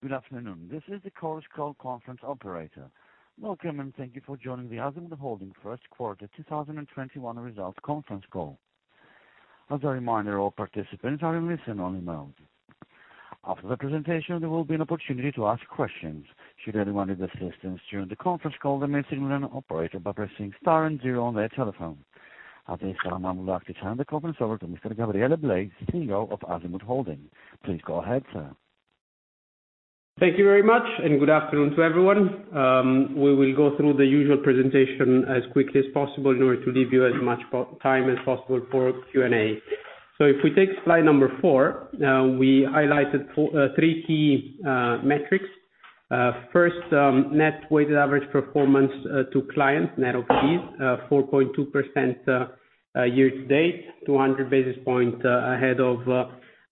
Good afternoon. This is the Chorus Call conference operator. Welcome, thank you for joining the Azimut Holding first quarter 2021 results conference call. As a reminder, all participants are in listen-only mode. After the presentation, there will be an opportunity to ask questions. Should anyone need assistance during the conference call, they may signal an operator by pressing star and zero on their telephone. At this time, I would like to hand the conference over to Mr. Gabriele Blei, CEO of Azimut Holding. Please go ahead, sir. Thank you very much. Good afternoon to everyone. We will go through the usual presentation as quickly as possible in order to leave you as much time as possible for Q&A. If we take slide number four, we highlighted three key metrics. First, net weighted average performance to clients, net of fees, 4.2% year-to-date, 200 basis points ahead of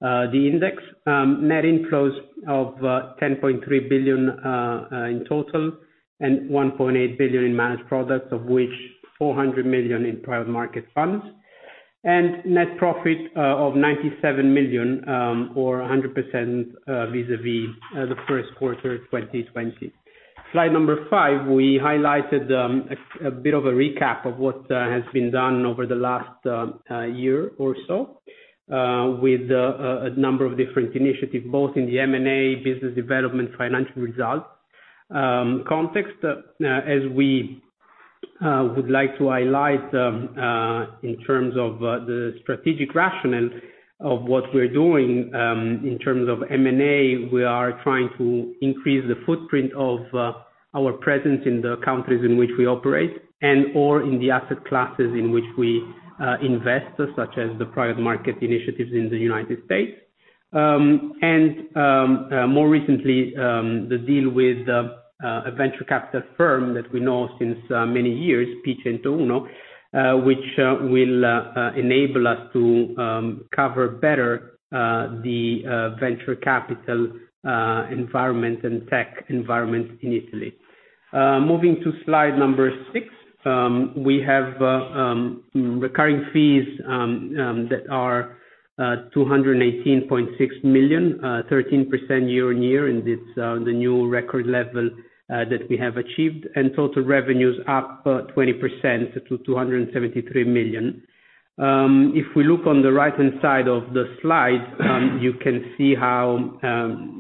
the index. Net inflows of 10.3 billion in total, 1.8 billion in managed products, of which 400 million in private market funds. Net profit of 97 million, or 100% vis-à-vis the first quarter 2020. Slide number five, we highlighted a bit of a recap of what has been done over the last year or so with a number of different initiatives, both in the M&A, business development, financial results context. As we would like to highlight in terms of the strategic rationale of what we're doing in terms of M&A, we are trying to increase the footprint of our presence in the countries in which we operate and/or in the asset classes in which we invest, such as the private market initiatives in the United States. More recently, the deal with a venture capital firm that we know since many years, P101, which will enable us to cover better the venture capital environment and tech environment in Italy. Moving to slide number six. We have recurring fees that are 218.6 million, 13% year-over-year, and it's the new record level that we have achieved. Total revenues up 20% to 273 million. If we look on the right-hand side of the slide, you can see how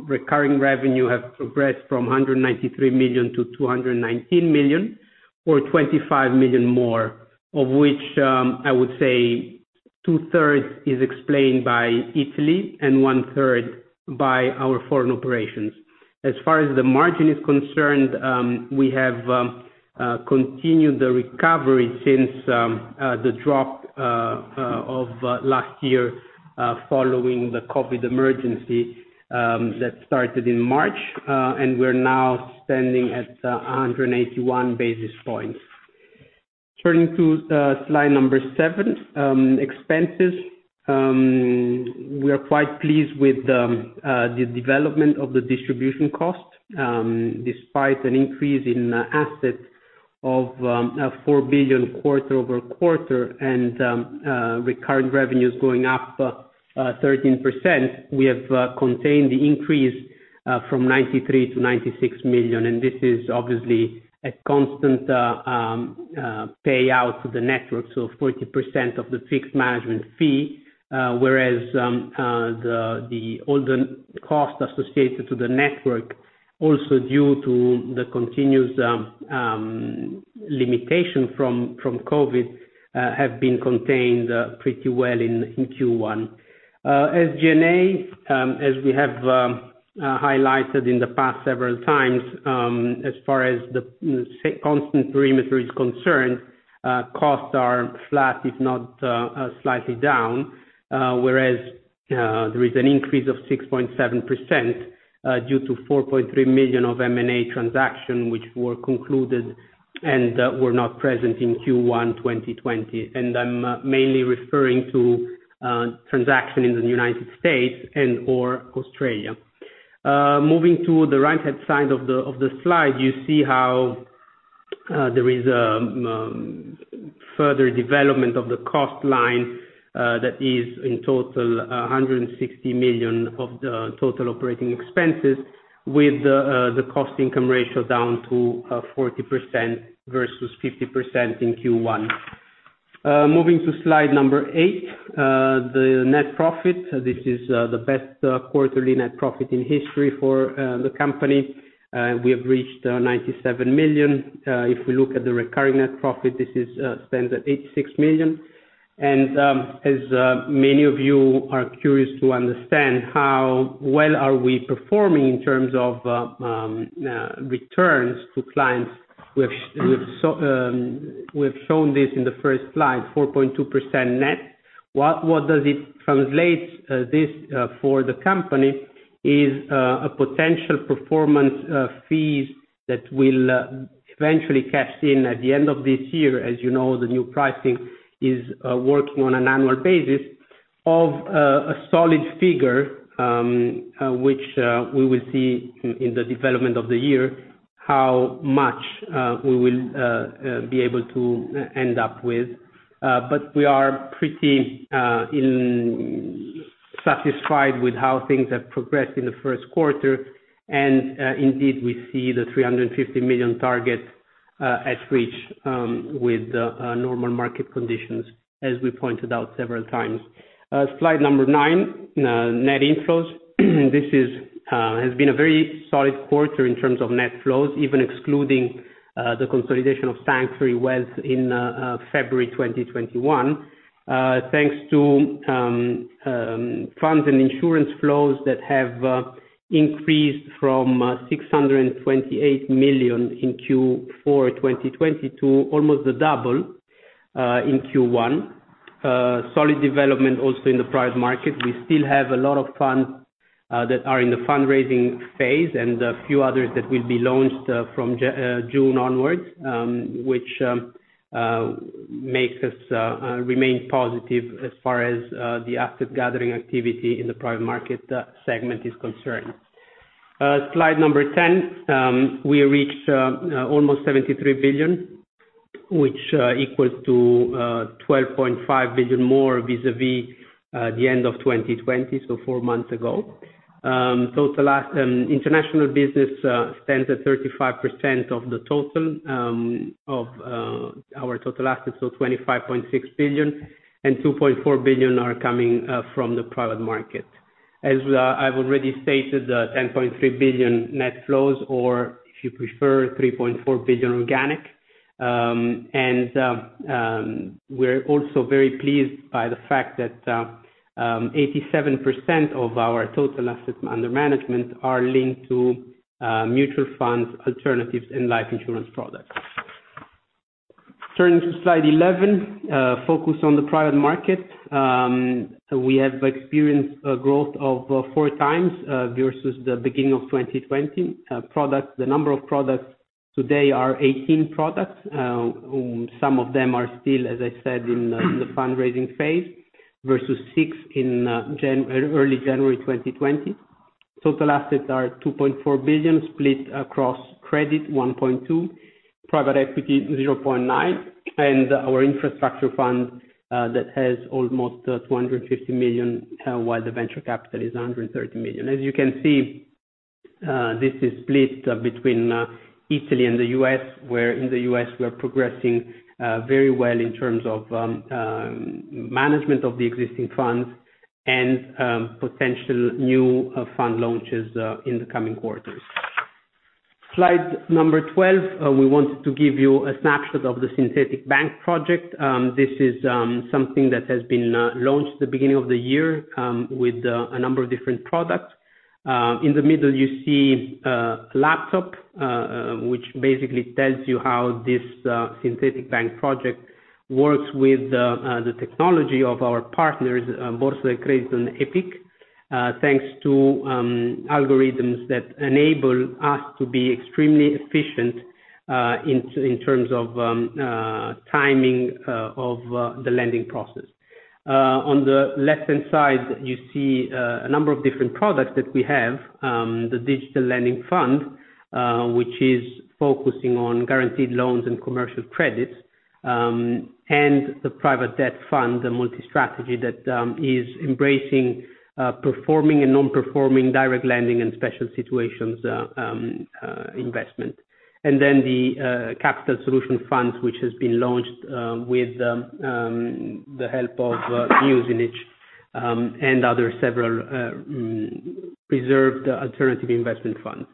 recurring revenue have progressed from 193 million to 219 million, or 25 million more, of which I would say 2/3 is explained by Italy and 1/3 by our foreign operations. As far as the margin is concerned, we have continued the recovery since the drop of last year following the COVID emergency that started in March. We're now standing at 181 basis points. Turning to slide number seven, expenses. We are quite pleased with the development of the distribution cost, despite an increase in assets of EUR 4 billion quarter-over-quarter and recurring revenues going up 13%, we have contained the increase from 93 million-96 million, and this is obviously a constant payout to the network, so 40% of the fixed management fee, whereas all the costs associated to the network, also due to the continuous limitation from COVID, have been contained pretty well in Q1. As G&A, as we have highlighted in the past several times, as far as the constant perimeter is concerned, costs are flat, if not slightly down, whereas there is an increase of 6.7% due to 4.3 million of M&A transactions which were concluded and were not present in Q1 2020. I'm mainly referring to transactions in the United States and/or Australia. Moving to the right-hand side of the slide, you see how there is a further development of the cost line, that is in total 160 million of the total operating expenses, with the cost-income ratio down to 40% versus 50% in Q1. Moving to slide number eight, the net profit. This is the best quarterly net profit in history for the company. We have reached 97 million. If we look at the recurring net profit, this stands at 86 million. As many of you are curious to understand how well are we performing in terms of returns to clients, we've shown this in the first slide, 4.2% net. What does it translate this for the company is a potential performance fees that will eventually cash in at the end of this year, as you know, the new pricing is working on an annual basis, of a solid figure, which we will see in the development of the year. How much we will be able to end up with. We are pretty satisfied with how things have progressed in the first quarter, and indeed, we see the 350 million target at reach with normal market conditions, as we pointed out several times. Slide number nine, net inflows. This has been a very solid quarter in terms of net flows, even excluding the consolidation of Sanctuary Wealth in February 2021, thanks to funds and insurance flows that have increased from 628 million in Q4 2020 to almost double in Q1. Solid development also in the private market. We still have a lot of funds that are in the fundraising phase, and a few others that will be launched from June onwards, which makes us remain positive as far as the asset gathering activity in the private market segment is concerned. Slide number 10. We reached almost 73 billion, which equal to 12.5 billion more vis-a-vis the end of 2020, so four months ago. International business stands at 35% of our total assets, so 25.6 billion, and 2.4 billion are coming from the private market. As I've already stated, 10.3 billion net flows or, if you prefer, 3.4 billion organic. We're also very pleased by the fact that 87% of our total assets under management are linked to mutual funds, alternatives, and life insurance products. Turning to slide 11, focus on the private market. We have experienced a growth of four times versus the beginning of 2020. The number of products today are 18 products, some of them are still, as I said, in the fundraising phase, versus six in early January 2020. Total assets are 2.4 billion split across credit 1.2 billion, private equity 0.9 billion, and our infrastructure fund, that has almost 250 million, while the venture capital is 130 million. As you can see, this is split between Italy and the U.S., where in the U.S. we are progressing very well in terms of management of the existing funds and potential new fund launches in the coming quarters. Slide number 12, we wanted to give you a snapshot of the Synthetic Bank project. This is something that has been launched the beginning of the year with a number of different products. In the middle, you see a laptop, which basically tells you how this Synthetic Bank project works with the technology of our partners, Borsa Italiana and Epic, thanks to algorithms that enable us to be extremely efficient in terms of timing of the lending process. On the left-hand side, you see a number of different products that we have. The Debt Digital Lending Fund, which is focusing on guaranteed loans and commercial credits, and the Private Debt fund, the multi-strategy that is embracing performing and non-performing direct lending and special situations investment. The Capital Solution Fund, which has been launched with the help of Muzinich and other several Reserved Alternative Investment Funds.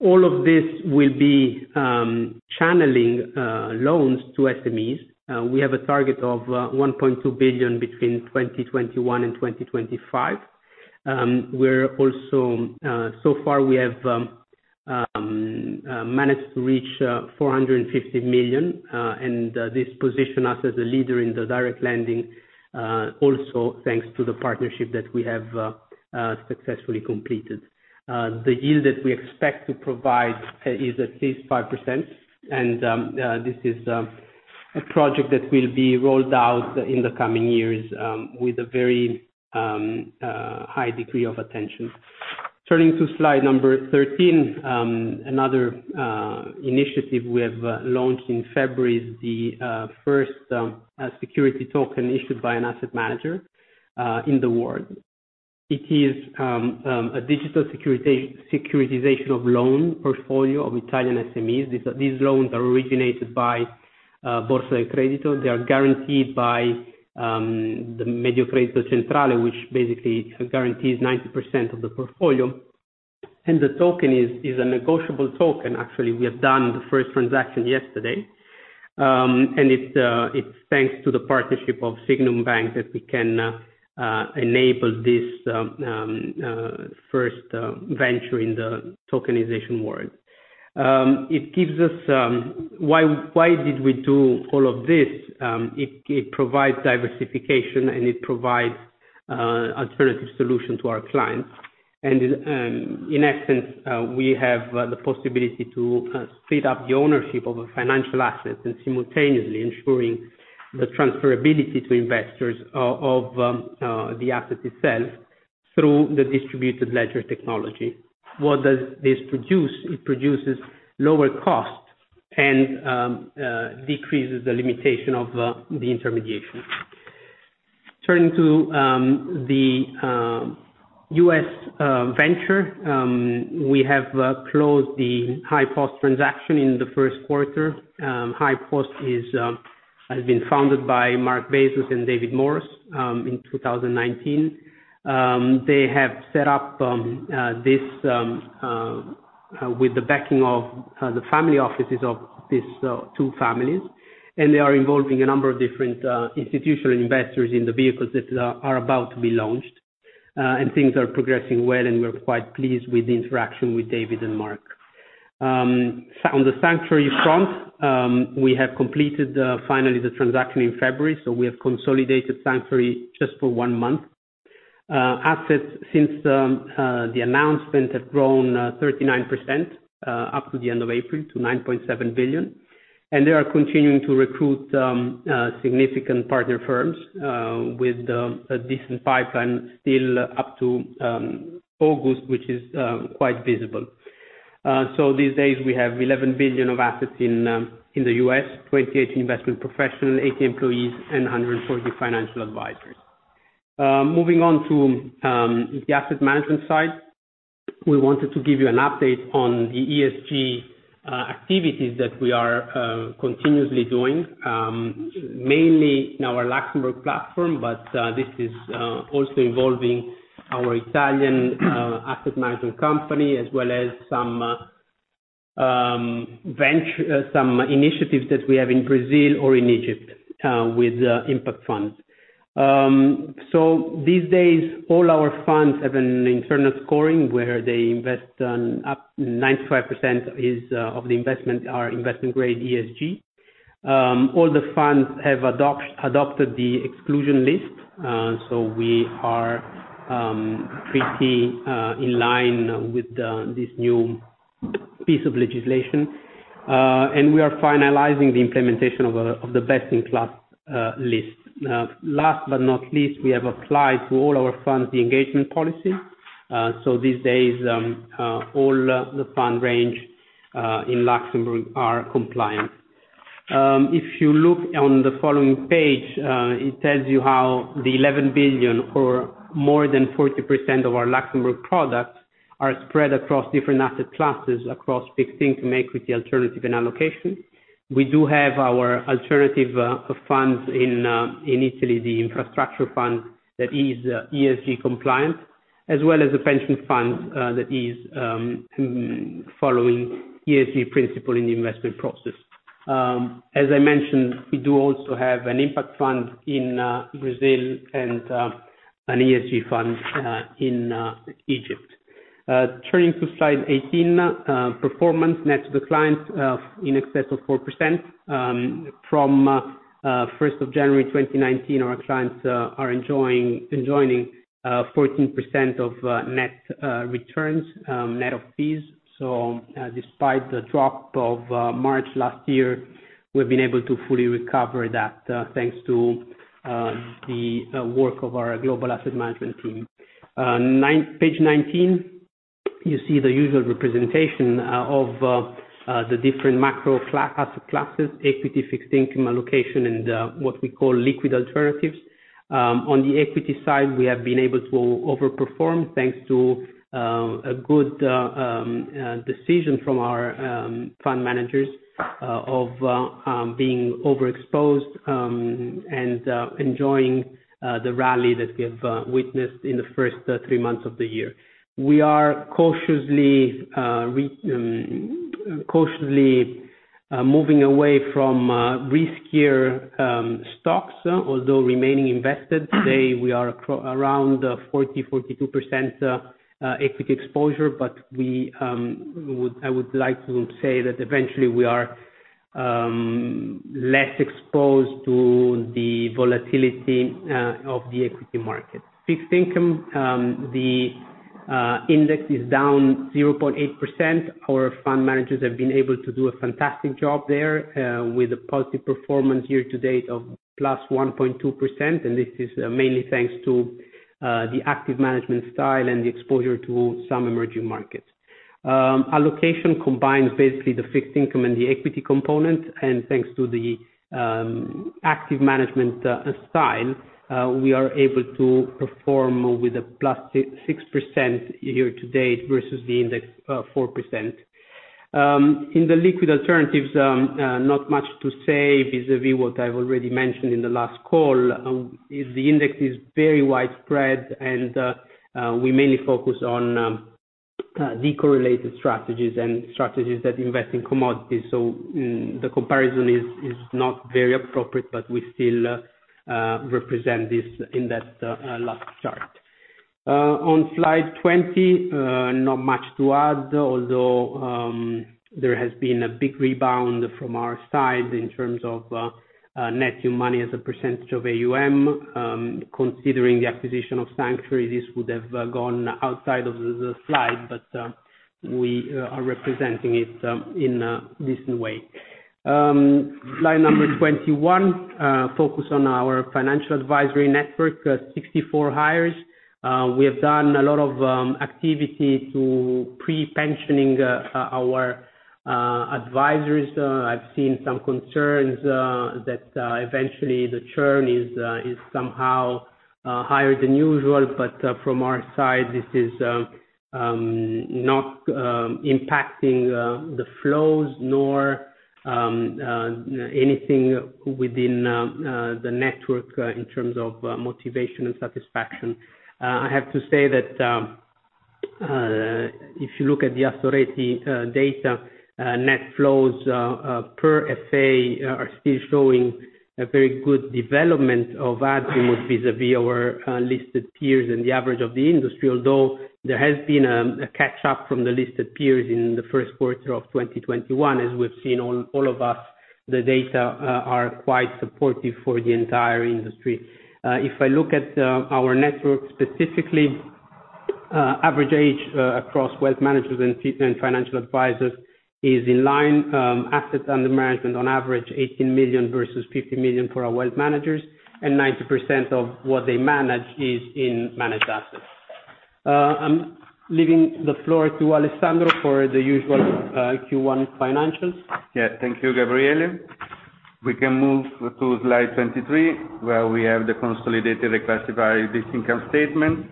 All of this will be channeling loans to SMEs. We have a target of 1.2 billion between 2021 and 2025. Far we have managed to reach 450 million, and this position us as a leader in the direct lending, also thanks to the partnership that we have successfully completed. The yield that we expect to provide is at least 5%, this is a project that will be rolled out in the coming years with a very high degree of attention. Turning to slide number 13, another initiative we have launched in February, the first security token issued by an asset manager in the world. It is a digital securitization of loan portfolio of Italian SMEs. These loans are originated by Borsa del Credito. They are guaranteed by the Mediocredito Centrale, which basically guarantees 90% of the portfolio. The token is a negotiable token. Actually, we have done the first transaction yesterday. It's thanks to the partnership of Sygnum Bank that we can enable this first venture in the tokenization world. Why did we do all of this? It provides diversification and it provides alternative solution to our clients. In essence, we have the possibility to speed up the ownership of a financial asset and simultaneously ensuring the transferability to investors of the asset itself. Through the distributed ledger technology. What does this produce? It produces lower cost and decreases the limitation of the intermediation. Turning to the U.S. venture, we have closed the HighPost transaction in the first quarter. HighPost has been founded by Mark Bezos and David Moross in 2019. They have set up this with the backing of the family offices of these two families. They are involving a number of different institutional investors in the vehicles that are about to be launched. Things are progressing well, and we're quite pleased with the interaction with David and Mark. On the Sanctuary front, we have completed finally the transaction in February, so we have consolidated Sanctuary just for one month. Assets since the announcement have grown 39% up to the end of April to $9.7 billion, and they are continuing to recruit significant partner firms with a decent pipeline still up to August, which is quite visible. These days, we have $11 billion of assets in the U.S., 28 investment professionals, 80 employees, and 140 financial advisors. Moving on to the asset management side. We wanted to give you an update on the ESG activities that we are continuously doing, mainly in our Luxembourg platform, but this is also involving our Italian asset management company as well as some initiatives that we have in Brazil or in Egypt with impact funds. These days, all our funds have an internal scoring where they invest, 95% of the investment are investment-grade ESG. All the funds have adopted the exclusion list. We are pretty in line with this new piece of legislation. We are finalizing the implementation of the best-in-class list. Last but not least, we have applied to all our funds the engagement policy. These days, all the fund range in Luxembourg are compliant. If you look on the following page, it tells you how the 11 billion or more than 40% of our Luxembourg products are spread across different asset classes, across fixed income, equity, alternative, and allocation. We do have our alternative funds in Italy, the infrastructure fund that is ESG compliant, as well as a pension fund that is following ESG principle in the investment process. As I mentioned, we do also have an impact fund in Brazil and an ESG fund in Egypt. Turning to slide 18, performance net to the clients in excess of 4%. From January 1st, 2019, our clients are enjoying 14% of net returns, net of fees. Despite the drop of March last year, we've been able to fully recover that thanks to the work of our global asset management team. Page 19, you see the usual representation of the different macro asset classes, equity, fixed income, allocation, and what we call liquid alternatives. On the equity side, we have been able to overperform thanks to a good decision from our fund managers of being overexposed and enjoying the rally that we have witnessed in the first three months of the year. We are cautiously moving away from riskier stocks, although remaining invested. Today, we are around 40%, 42% equity exposure, but I would like to say that eventually we are less exposed to the volatility of the equity market. Fixed income, the index is down 0.8%. Our fund managers have been able to do a fantastic job there with a positive performance year to date of plus 1.2%, and this is mainly thanks to the active management style and the exposure to some emerging markets. Allocation combines basically the fixed income and the equity component, and thanks to the active management style, we are able to perform with a plus 6% year to date versus the index 4%. In the liquid alternatives, not much to say vis-a-vis what I've already mentioned in the last call. The index is very widespread, and we mainly focus on decorrelated strategies and strategies that invest in commodities. The comparison is not very appropriate. We still represent this in that last chart. On slide 20, not much to add. There has been a big rebound from our side in terms of net new money as a percentage of AUM. Considering the acquisition of Sanctuary, this would have gone outside of the slide. We are representing it in a decent way. Slide number 21, focus on our financial advisory network, 64 hires. We have done a lot of activity to pre-pensioning our advisors. I've seen some concerns that eventually the churn is somehow higher than usual. From our side, this is not impacting the flows nor anything within the network in terms of motivation and satisfaction. I have to say that if you look at the Assoreti data, net flows per FA are still showing a very good development of Azimut vis-à-vis our listed peers and the average of the industry, although there has been a catch-up from the listed peers in the first quarter of 2021, as we've seen, all of us, the data are quite supportive for the entire industry. If I look at our network specifically, average age across Wealth Managers and financial advisors is in line. Assets under management, on average, 18 million versus 50 million for our Wealth Managers, and 90% of what they manage is in managed assets. I'm leaving the floor to Alessandro for the usual Q1 financials. Yes. Thank you, Gabriele. We can move to slide 23, where we have the consolidated classified income statement.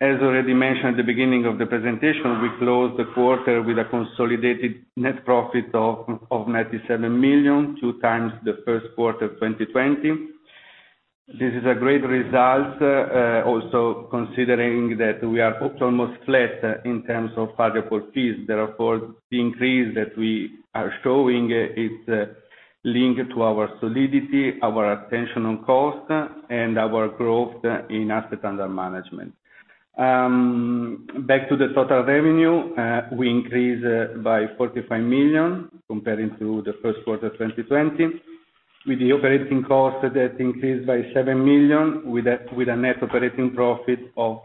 As already mentioned at the beginning of the presentation, we closed the quarter with a consolidated net profit of 97 million, 2x the first quarter 2020. This is a great result, also considering that we are almost flat in terms of variable fees. The increase that we are showing is linked to our solidity, our attention on cost, and our growth in AUM. Back to the total revenue, we increased by 45 million comparing to the first quarter 2020, with the operating costs that increased by 7 million, with a net operating profit of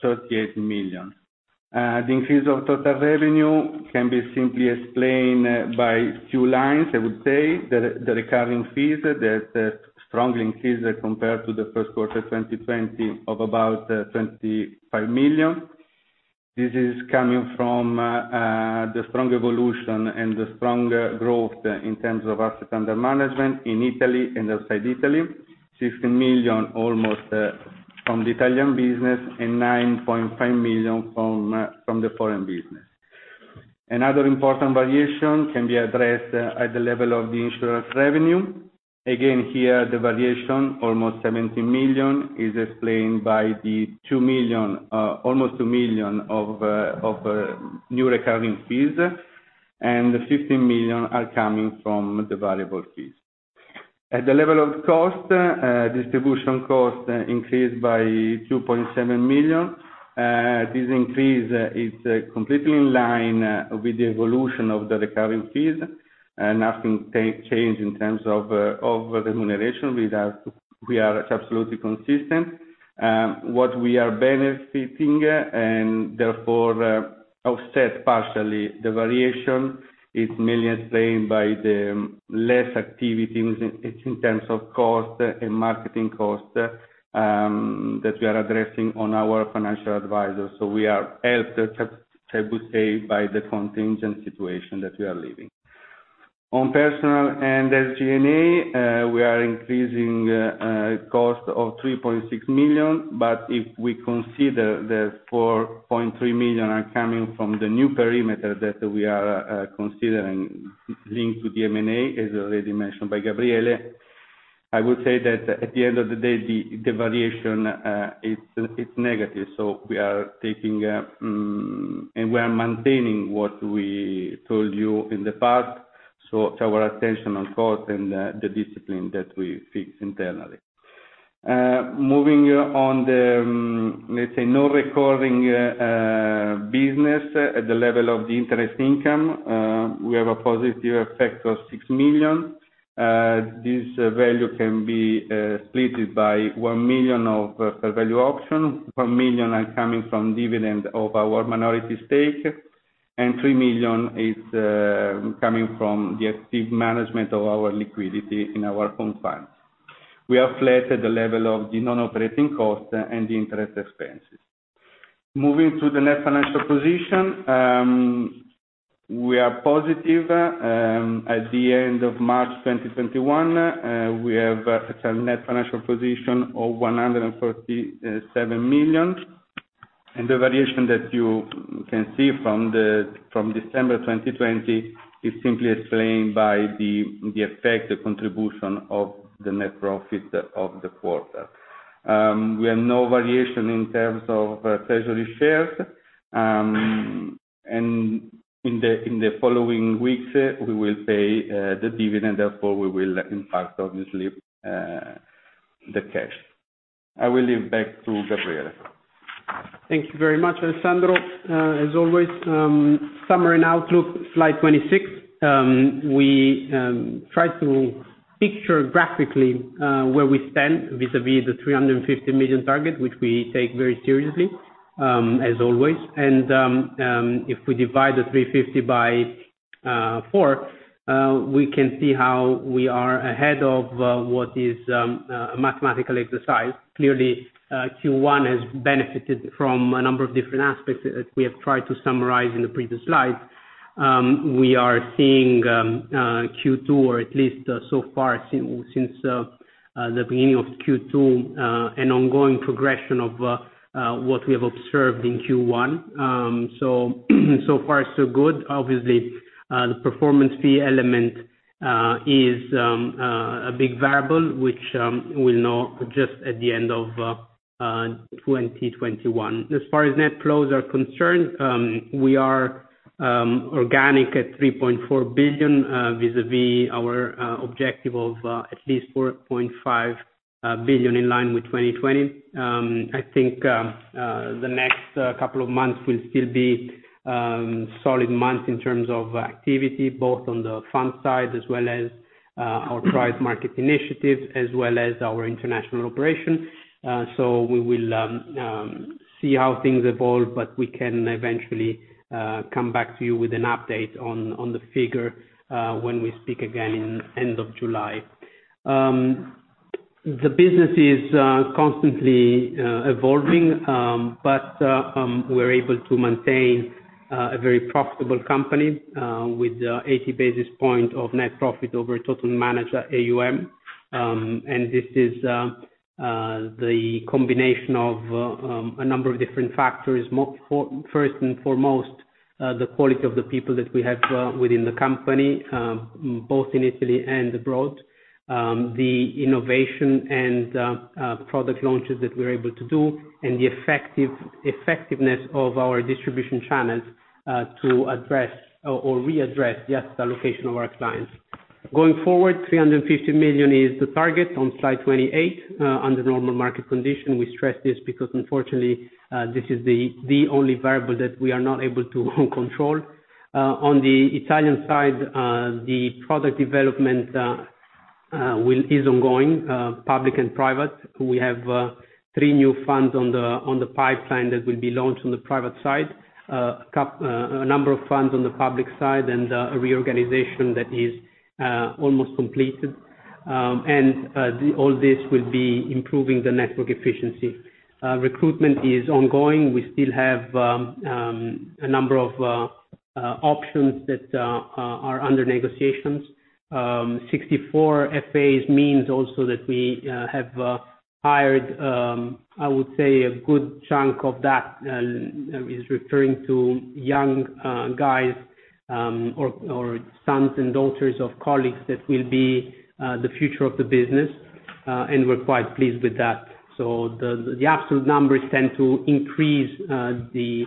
38 million. The increase of total revenue can be simply explained by two lines, I would say. The recurring fees that strongly increased compared to the first quarter 2020 of about 25 million. This is coming from the strong evolution and the strong growth in terms of assets under management in Italy and outside Italy. 16 million almost from the Italian business and 9.5 million from the foreign business. Another important variation can be addressed at the level of the insurance revenue. Again, here, the variation, almost 17 million, is explained by almost 2 million of new recurring fees, 15 million are coming from the variable fees. At the level of cost, distribution cost increased by 2.7 million. This increase is completely in line with the evolution of the recurring fees. Nothing changed in terms of remuneration. With that, we are absolutely consistent. What we are benefiting, and therefore, offset partially the variation, is mainly explained by the less activity in terms of cost and marketing cost that we are addressing on our financial advisors. We are helped, I would say, by the contingent situation that we are living. On personnel and SG&A, we are increasing cost of 3.6 million, but if we consider the 4.3 million are coming from the new perimeter that we are considering, linked to the M&A, as already mentioned by Gabriele, I would say that at the end of the day, the variation is negative. We are taking and we are maintaining what we told you in the past, our attention on cost and the discipline that we fix internally. Moving on the, let's say, non-recurring business at the level of the interest income, we have a positive effect of 6 million. This value can be splitted by 1 million of fair value option, 1 million are coming from dividend of our minority stake, and 3 million is coming from the active management of our liquidity in our own funds. We are flat at the level of the non-operating cost and the interest expenses. Moving to the net financial position. We are positive. At the end of March 2021, we have a net financial position of 147 million. The variation that you can see from December 2020 is simply explained by the effect, the contribution of the net profit of the quarter. We have no variation in terms of treasury shares. In the following weeks, we will pay the dividend, therefore, we will impact, obviously, the cash. I will leave back to Gabriele. Thank you very much, Alessandro. As always, summary and outlook, slide 26. We try to picture graphically where we stand vis-à-vis the 350 million target, which we take very seriously, as always. If we divide the 350 million by four, we can see how we are ahead of what is a mathematical exercise. Clearly, Q1 has benefited from a number of different aspects that we have tried to summarize in the previous slides. We are seeing Q2, or at least so far since the beginning of Q2, an ongoing progression of what we have observed in Q1. So far so good. Obviously, the performance fee element is a big variable, which we'll know just at the end of 2021. As far as net flows are concerned, we are organic at 3.4 billion vis-a-vis our objective of at least 4.5 billion in line with 2020. I think the next couple of months will still be solid months in terms of activity, both on the fund side as well as our private market initiatives, as well as our international operations. We will see how things evolve, but we can eventually come back to you with an update on the figure when we speak again in the end of July. The business is constantly evolving, but we're able to maintain a very profitable company with 80 basis points of net profit over total managed AUM. This is the combination of a number of different factors. First and foremost, the quality of the people that we have within the company, both in Italy and abroad, the innovation and product launches that we're able to do, and the effectiveness of our distribution channels to address or readdress the allocation of our clients. Going forward, 350 million is the target on slide 28. Under normal market conditions, we stress this because, unfortunately, this is the only variable that we are not able to control. On the Italian side, the product development is ongoing, public and private. We have three new funds on the pipeline that will be launched on the private side, a number of funds on the public side. A reorganization that is almost completed. All this will be improving the network efficiency. Recruitment is ongoing. We still have a number of options that are under negotiations. 64 FAs means also that we have hired, I would say, a good chunk of that is referring to young guys or sons and daughters of colleagues that will be the future of the business. We're quite pleased with that. The absolute numbers tend to increase the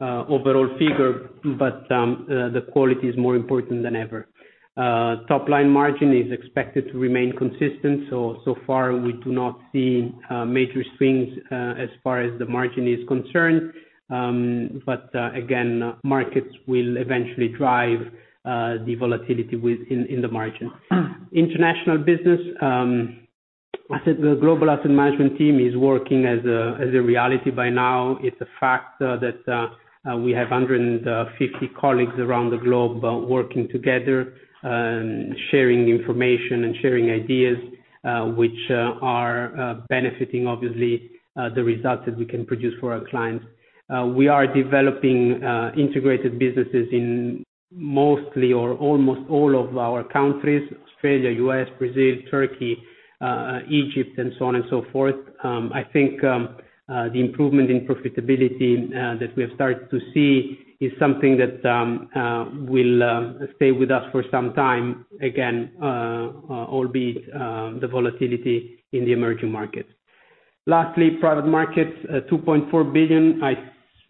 overall figure, but the quality is more important than ever. Top-line margin is expected to remain consistent. So far, we do not see major swings as far as the margin is concerned. Again, markets will eventually drive the volatility within the margin. International business. I said the global asset management team is working as a reality by now. It's a fact that we have 150 colleagues around the globe working together and sharing information and sharing ideas, which are benefiting, obviously, the results that we can produce for our clients. We are developing integrated businesses in mostly or almost all of our countries, Australia, U.S., Brazil, Turkey, Egypt, and so on and so forth. I think the improvement in profitability that we have started to see is something that will stay with us for some time, again, albeit the volatility in the emerging markets. Lastly, private markets, 2.4 billion.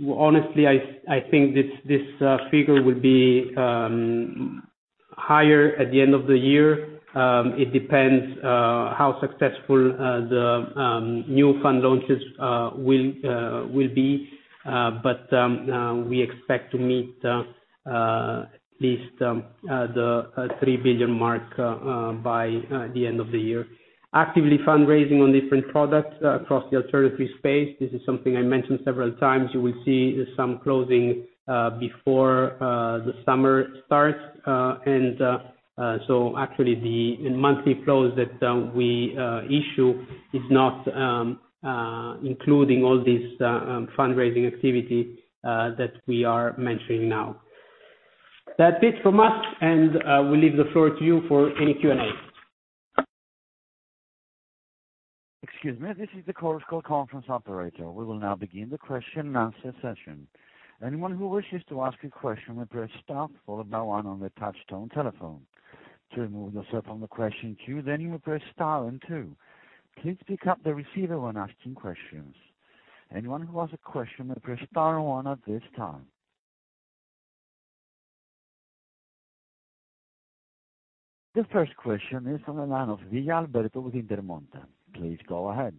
Honestly, I think this figure will be higher at the end of the year. It depends how successful the new fund launches will be. We expect to meet at least the 3 billion mark by the end of the year. Actively fundraising on different products across the alternative space. This is something I mentioned several times. You will see some closing before the summer starts. Actually, the monthly flows that we issue is not including all this fundraising activity that we are mentioning now. That's it from us, and we leave the floor to you for any Q&A. Excuse me, this is the Chorus Call conference operator. We will now begin the question-and-answer session. Anyone who wish to ask a question, please press star followed by one on the touch-tone telephone. To remove yourself from the question queue, then you would press star and two. Please pick up the receiver when asking questions. Anyone who has a question may press star one at this time. The first question is on the line of Villa, Alberto with Intermonte. Please go ahead.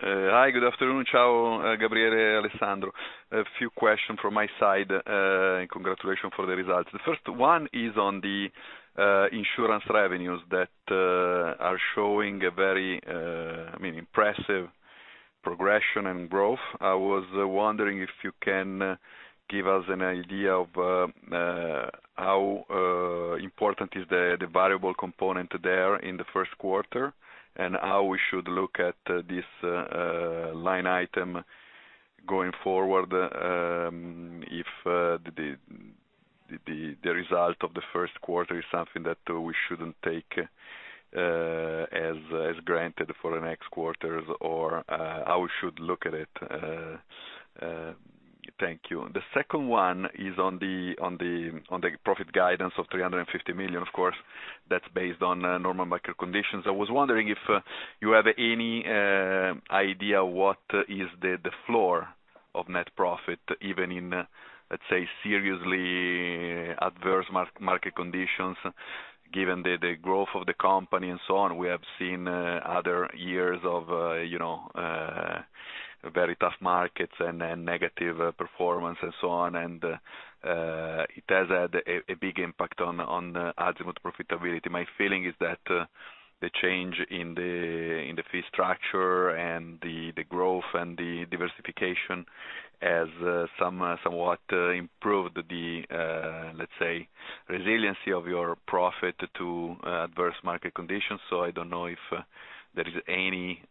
Hi, good afternoon, ciao, Gabriele, Alessandro. A few questions from my side. Congratulations for the results. The first one is on the insurance revenues that are showing a very impressive progression and growth. I was wondering if you can give us an idea of how important is the variable component there in the first quarter, and how we should look at this line item going forward, if the result of the first quarter is something that we shouldn't take as granted for the next quarters, or how we should look at it. Thank you. The second one is on the profit guidance of 350 million. Of course, that's based on normal market conditions. I was wondering if you have any idea what is the floor of net profit, even in, let's say, seriously adverse market conditions, given the growth of the company and so on. We have seen other years of very tough markets and negative performance and so on, and it has had a big impact on Azimut profitability. My feeling is that the change in the fee structure and the growth and the diversification has somewhat improved the, let's say, resiliency of your profit to adverse market conditions. I don't know if there is any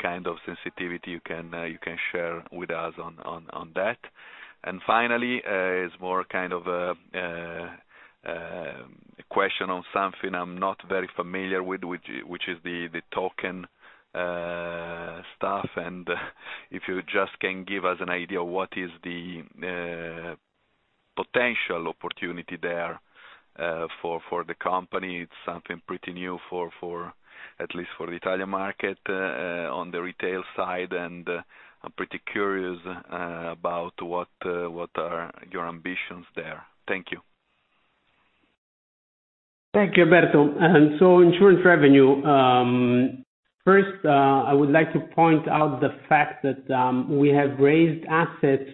kind of sensitivity you can share with us on that. Finally, it's more a question on something I'm not very familiar with, which is the token stuff, and if you just can give us an idea of what is the potential opportunity there for the company. It's something pretty new, at least for the Italian market on the retail side, and I'm pretty curious about what are your ambitions there. Thank you. Thank you, Alberto. Insurance revenue. First, I would like to point out the fact that we have raised assets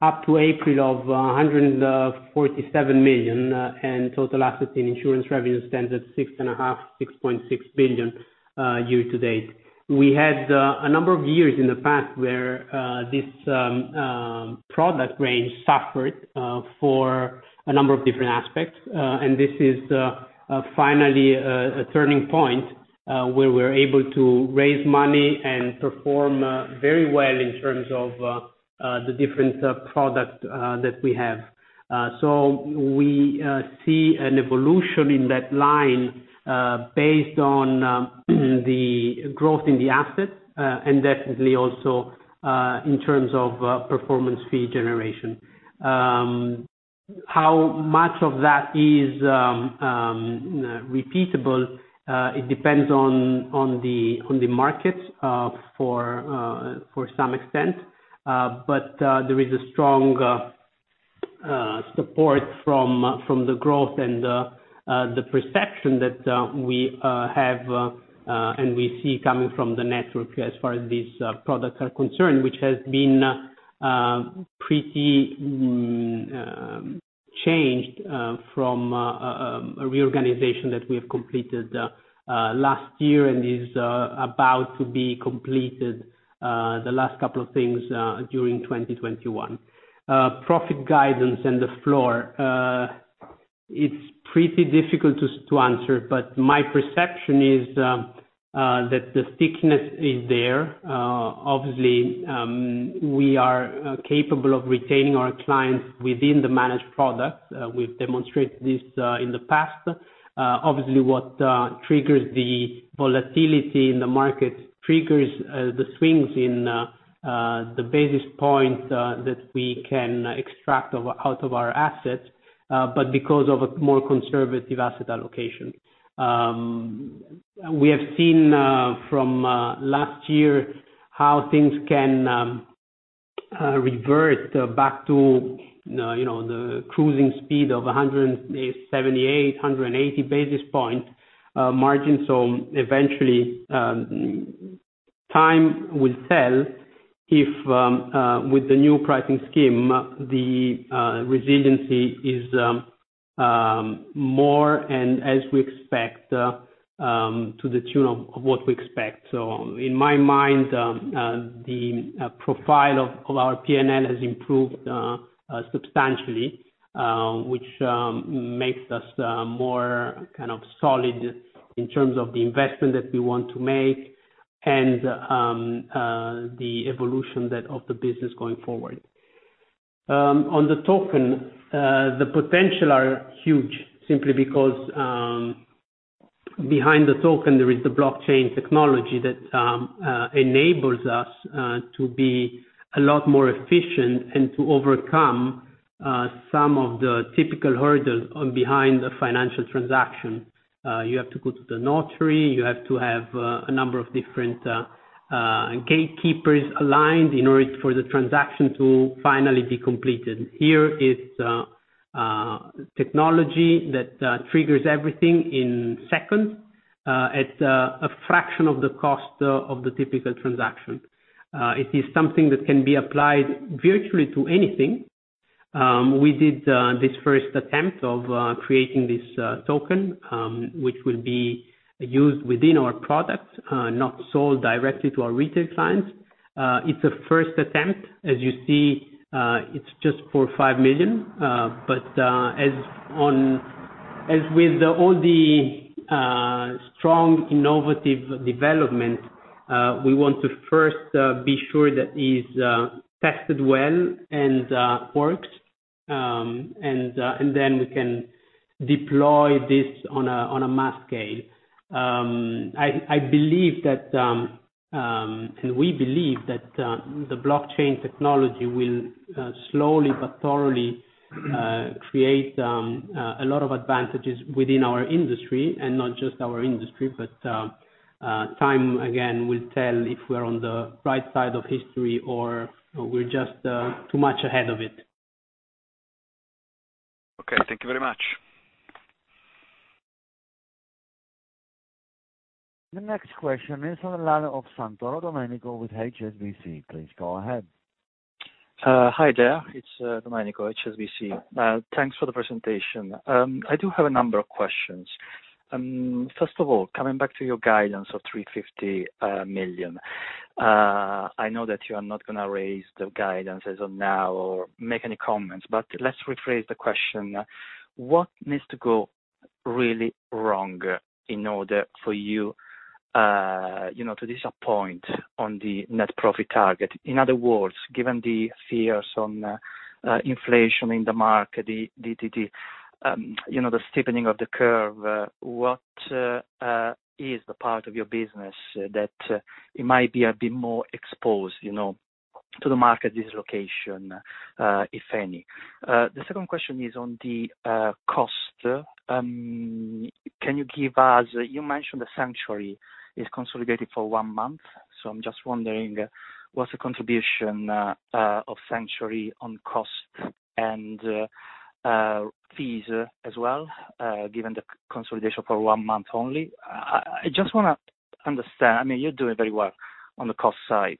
up to April of 147 million, and total assets in insurance revenue stands at 6.5 billion, 6.6 billion year to date. We had a number of years in the past where this product range suffered for a number of different aspects. This is finally a turning point where we're able to raise money and perform very well in terms of the different product that we have. We see an evolution in that line based on the growth in the assets, and definitely also in terms of performance fee generation. How much of that is repeatable, it depends on the market for some extent. There is a strong support from the growth and the perception that we have, and we see coming from the network as far as these products are concerned, which has been pretty changed from a reorganization that we have completed last year and is about to be completed, the last couple of things, during 2021. Profit guidance and the floor. It's pretty difficult to answer, but my perception is that the stickiness is there. Obviously, we are capable of retaining our clients within the managed product. We've demonstrated this in the past. Obviously, what triggers the volatility in the market triggers the swings in the basis points that we can extract out of our assets, but because of a more conservative asset allocation. We have seen from last year how things can revert back to the cruising speed of 178, 180 basis point margin. Eventually, time will tell if with the new pricing scheme, the resiliency is more and as we expect, to the tune of what we expect. In my mind, the profile of our P&L has improved substantially, which makes us more solid in terms of the investment that we want to make and the evolution of the business going forward. On the token, the potential are huge simply because behind the token, there is the blockchain technology that enables us to be a lot more efficient and to overcome some of the typical hurdles behind a financial transaction. You have to go to the notary, you have to have a number of different gatekeepers aligned in order for the transaction to finally be completed. Here is technology that triggers everything in seconds at a fraction of the cost of the typical transaction. It is something that can be applied virtually to anything. We did this first attempt of creating this token, which will be used within our products, not sold directly to our retail clients. It's a first attempt. As you see, it's just for 5 million. As with all the strong innovative development, we want to first be sure that it's tested well and works, and then we can deploy this on a mass scale. We believe that the blockchain technology will slowly but surely create a lot of advantages within our industry, and not just our industry. Time, again, will tell if we're on the right side of history or we're just too much ahead of it. Okay. Thank you very much. The next question is on the line of Santoro, Domenico with HSBC. Please go ahead. Hi there. It's Domenico, HSBC. Thanks for the presentation. I do have a number of questions. Coming back to your guidance of 350 million, I know that you are not going to raise the guidance as of now or make any comments, but let's rephrase the question. What needs to go really wrong in order for you to disappoint on the net profit target? In other words, given the fears on inflation in the market, the steepening of the curve, what is the part of your business that might be a bit more exposed to the market dislocation, if any? The second question is on the cost. You mentioned that Sanctuary is consolidated for one month. I'm just wondering what's the contribution of Sanctuary on cost and fees as well, given the consolidation for one month only. I just want to understand. You're doing very well on the cost side,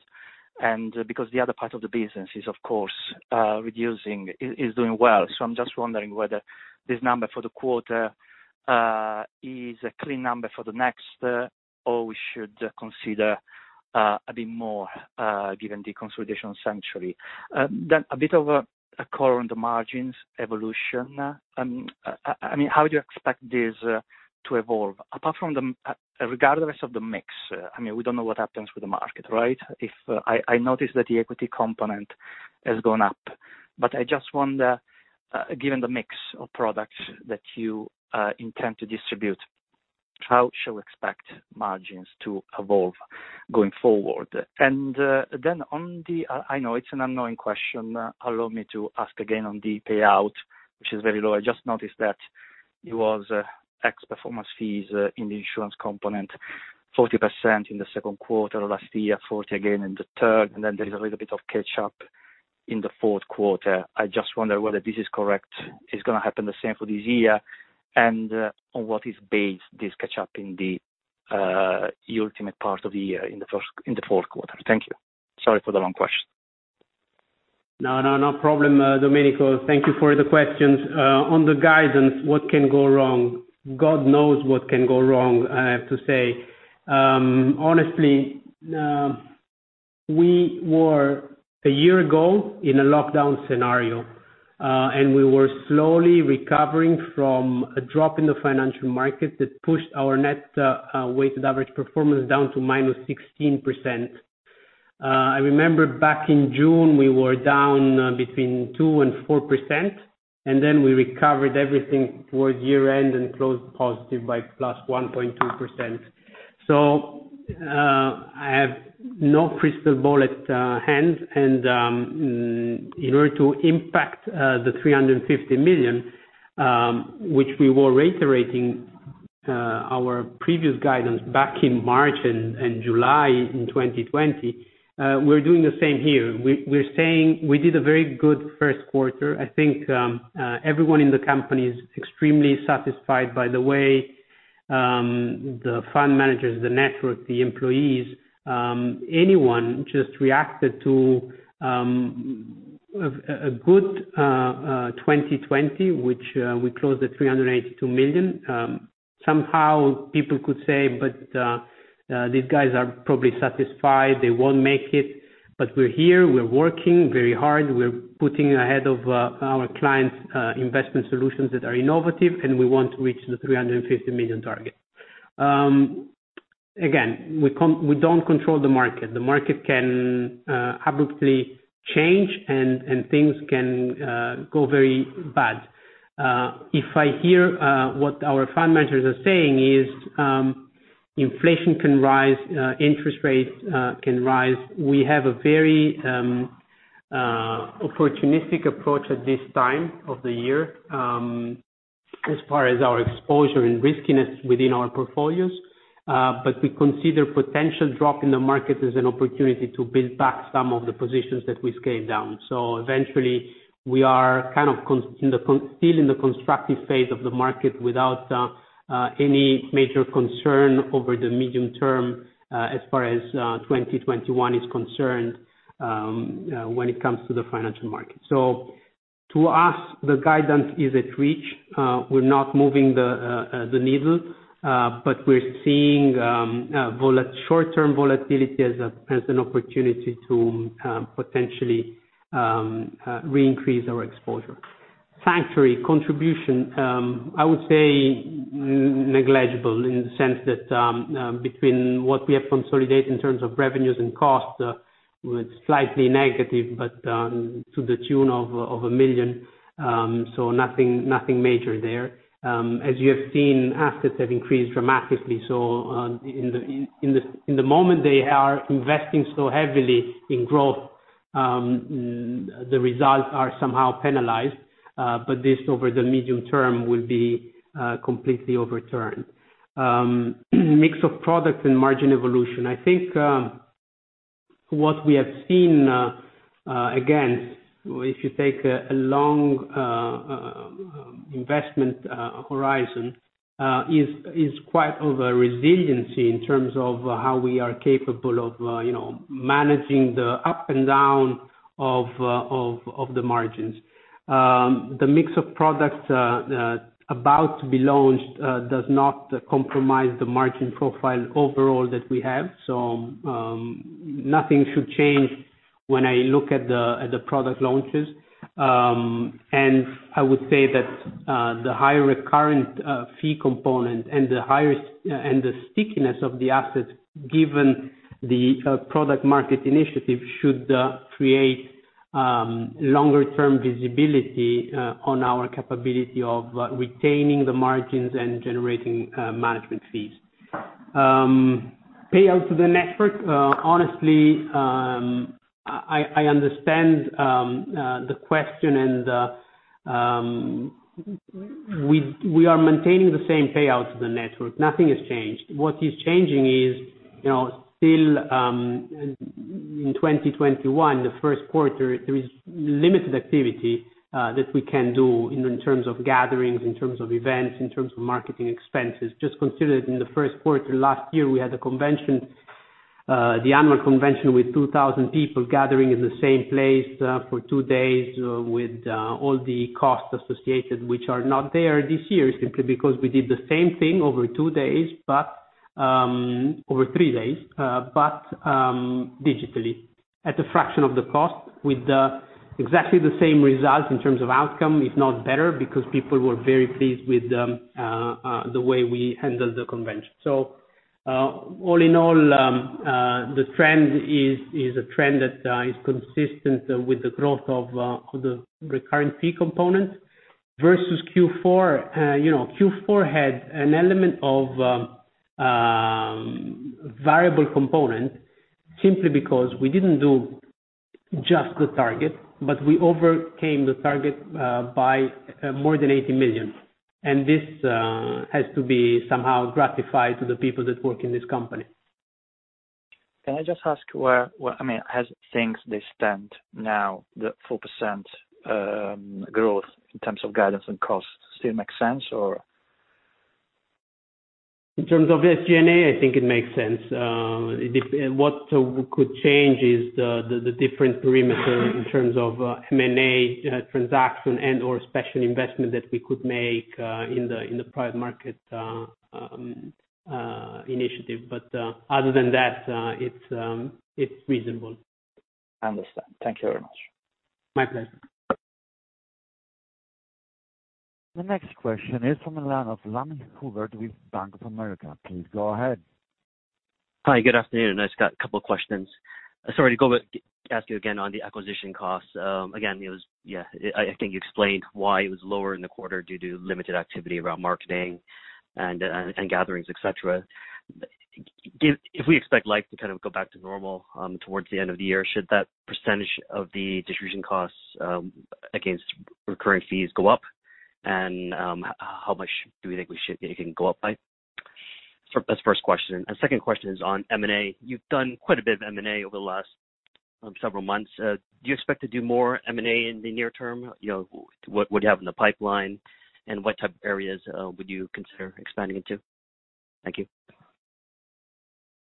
because the other part of the business is, of course, reducing, is doing well. I'm just wondering whether this number for the quarter is a clean number for the next, or we should consider a bit more, given the consolidation of Sanctuary. A bit of a call on the margins evolution. How do you expect this to evolve? Regardless of the mix, we don't know what happens with the market, right? I noticed that the equity component has gone up. I just wonder, given the mix of products that you intend to distribute, how shall we expect margins to evolve going forward? I know it's an annoying question, allow me to ask again on the payout, which is very low. I just noticed that it was ex-performance fees in the insurance component, 40% in the second quarter of last year, 40% again in the third, and then there is a little bit of catch up in the fourth quarter. I just wonder whether this is correct, it is going to happen the same for this year, and on what is based this catch up in the ultimate part of the year, in the fourth quarter. Thank you. Sorry for the long question. No problem, Domenico. Thank you for the questions. On the guidance, what can go wrong? God knows what can go wrong, I have to say. Honestly, we were, a year ago, in a lockdown scenario, and we were slowly recovering from a drop in the financial market that pushed our net weighted average performance down to -16%. I remember back in June, we were down 2%-4%, and then we recovered everything towards year-end and closed positive by +1.2%. I have no crystal ball at hand, and in order to impact the 350 million, which we were reiterating our previous guidance back in March and July in 2020, we're doing the same here. We're saying we did a very good first quarter. I think everyone in the company is extremely satisfied by the way the fund managers, the network, the employees, anyone just reacted to a good 2020, which we closed at 382 million. Somehow, people could say, "These guys are probably satisfied. They won't make it." We're here, we're working very hard. We're putting ahead of our client's investment solutions that are innovative, and we want to reach the 350 million target. Again, we don't control the market. The market can abruptly change, and things can go very bad. If I hear what our fund managers are saying is, inflation can rise, interest rates can rise. We have a very opportunistic approach at this time of the year as far as our exposure and riskiness within our portfolios. We consider potential drop in the market as an opportunity to build back some of the positions that we scaled down. Eventually, we are kind of still in the constructive phase of the market without any major concern over the medium term as far as 2021 is concerned, when it comes to the financial market. To us, the guidance is at reach. We're not moving the needle. We're seeing short-term volatility as an opportunity to potentially re-increase our exposure. Sanctuary Wealth contribution, I would say negligible in the sense that between what we have consolidated in terms of revenues and costs, was slightly negative, but to the tune of 1 million. Nothing major there. As you have seen, assets have increased dramatically. In the moment, they are investing so heavily in growth, the results are somehow penalized. This, over the medium term, will be completely overturned. Mix of products and margin evolution. I think what we have seen, again, if you take a long investment horizon, is quite of a resiliency in terms of how we are capable of managing the up and down of the margins. The mix of products about to be launched does not compromise the margin profile overall that we have. Nothing should change when I look at the product launches. I would say that the higher recurrent fee component and the stickiness of the assets, given the product market initiative, should create longer-term visibility on our capability of retaining the margins and generating management fees. Payout to the network. Honestly, I understand the question, and we are maintaining the same payout to the network. Nothing has changed. What is changing is, still in 2021, the first quarter, there is limited activity that we can do in terms of gatherings, in terms of events, in terms of marketing expenses. Just consider that in the first quarter last year, we had the annual convention with 2,000 people gathering in the same place for two days with all the costs associated, which are not there this year, simply because we did the same thing over three days, but digitally. At a fraction of the cost, with exactly the same results in terms of outcome, if not better, because people were very pleased with the way we handled the convention. All in all, the trend is a trend that is consistent with the growth of the recurring fee component. Versus Q4 had an element of variable component simply because we didn't do just the target, but we overcame the target by more than 80 million. This has to be somehow gratified to the people that work in this company. Can I just ask where, as things they stand now, the 4% growth in terms of guidance and costs still makes sense, or? In terms of SG&A, I think it makes sense. What could change is the different perimeter in terms of M&A transactions and/or special investments that we could make in the private market initiative. Other than that, it's feasible. I understand. Thank you very much. My pleasure. The next question is from the line of Lam, Hubert with Bank of America. Please go ahead. Hi, good afternoon. I just got a couple of questions. Sorry to ask you again on the acquisition costs. Again, I think you explained why it was lower in the quarter due to limited activity around marketing and gatherings, et cetera. If we expect life to kind of go back to normal towards the end of the year, should that percentage of the distribution costs against recurring fees go up? How much do we think it can go up by? That's the first question. Second question is on M&A. You've done quite a bit of M&A over the last several months. Do you expect to do more M&A in the near term? What do you have in the pipeline, and what type of areas would you consider expanding into? Thank you.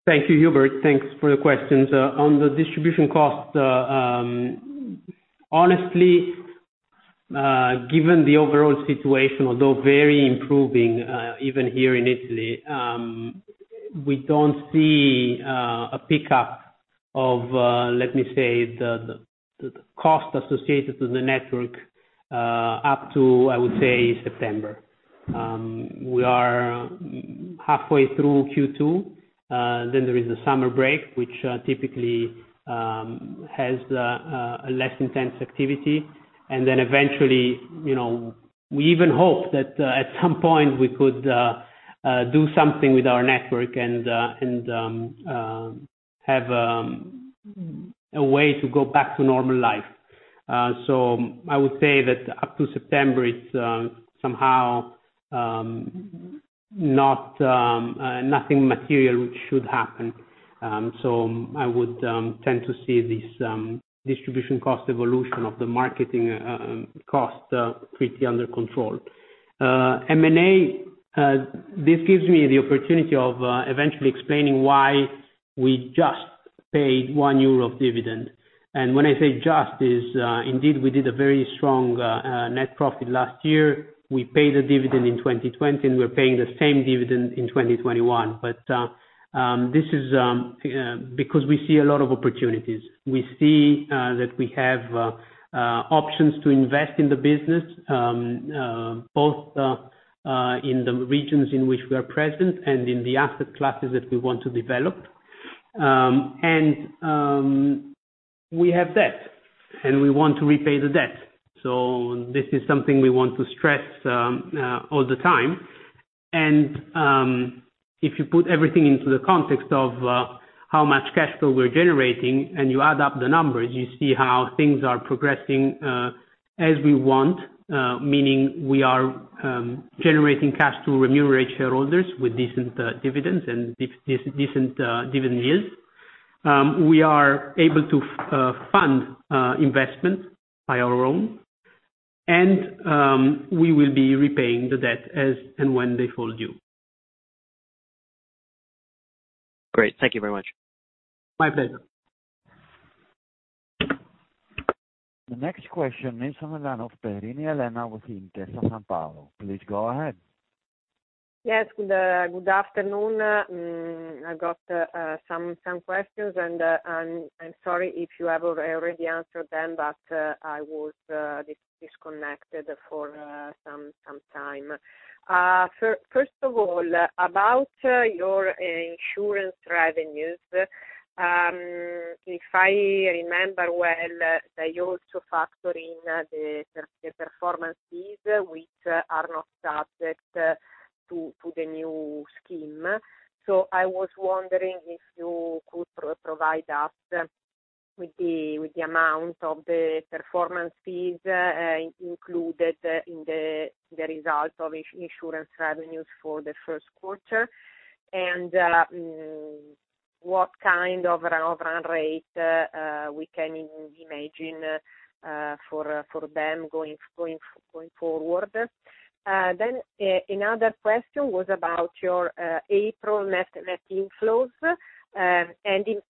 Thank you, Hubert. Thanks for the questions. On the distribution cost, honestly, given the overall situation, although very improving, even here in Italy, we don't see a pickup of, let me say, the cost associated to the network up to, I would say, September. We are halfway through Q2. There is the summer break, which typically has a less intense activity. Eventually, we even hope that at some point we could do something with our network and have a way to go back to normal life. I would say that up to September, it's somehow nothing material should happen. I would tend to see this distribution cost evolution of the marketing cost pretty under control. M&A, this gives me the opportunity of eventually explaining why we just paid 1 euro of dividend. When I say just is, indeed, we did a very strong net profit last year. We paid a dividend in 2020, and we're paying the same dividend in 2021. This is because we see a lot of opportunities. We see that we have options to invest in the business, both in the regions in which we are present and in the asset classes that we want to develop. We have debt, and we want to repay the debt. This is something we want to stress all the time. If you put everything into the context of how much cash flow we're generating, and you add up the numbers, you see how things are progressing as we want. We are generating cash to remunerate shareholders with decent dividends and decent dividend yields. We are able to fund investment by our own, and we will be repaying the debt as and when they fall due. Great. Thank you very much. My pleasure. The next question is from Perini, Elena with Intesa Sanpaolo. Please go ahead. Yes. Good afternoon. I've got some questions, and I'm sorry if you have already answered them, but I was disconnected for some time. First of all, about your insurance revenues, if I remember well, they also factor in the performance fees, which are not subject to the new scheme. I was wondering if you could provide us with the amount of the performance fees included in the result of insurance revenues for the first quarter, and what kind of run rate we can imagine for them going forward. Another question was about your April net inflows, and